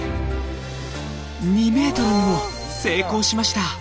２ｍにも成功しました！